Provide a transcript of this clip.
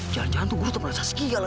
jangan jangan tukur terperasa skia lagi